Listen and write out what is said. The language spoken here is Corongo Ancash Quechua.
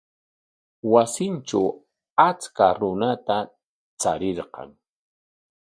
Wasintraw achka runata traskirqan.